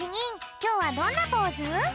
きょうはどんなポーズ？